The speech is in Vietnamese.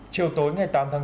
chương trình bình pháp